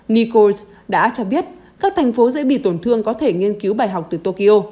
nicos đã cho biết các thành phố dễ bị tổn thương có thể nghiên cứu bài học từ tokyo